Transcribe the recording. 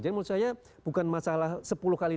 jadi menurut saya bukan masalah sepuluh kali